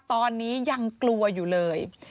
ตอนนี้ยังกลัวอยู่เลย